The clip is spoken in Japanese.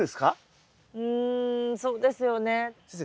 うんそうですよね。